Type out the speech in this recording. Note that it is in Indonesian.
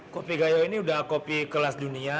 kopi gayo ini udah kopi kelas dunia